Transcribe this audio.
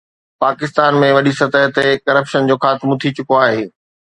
پاڪستان ۾ وڏي سطح تي ڪرپشن جو خاتمو ٿي چڪو آهي.